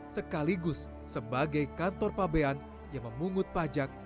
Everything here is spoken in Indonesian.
sekaligus sebagai kantor pabean yang memungut pajak